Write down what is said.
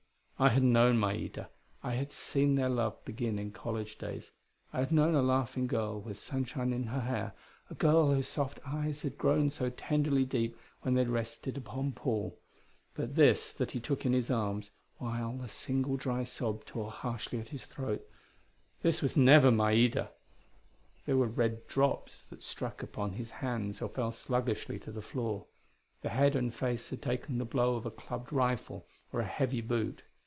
I had known Maida; I had seen their love begin in college days. I had known a laughing girl with sunshine in her hair, a girl whose soft eyes had grown so tenderly deep when they rested upon Paul but this that he took in his arms, while a single dry sob tore harshly at his throat, this was never Maida! There were red drops that struck upon his hands or fell sluggishly to the floor; the head and face had taken the blow of a clubbed rifle or a heavy boot.